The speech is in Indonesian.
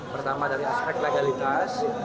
pertama dari aspek legalitas